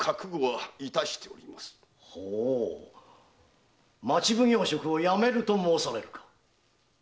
ほう町奉行職を辞めると申されるか。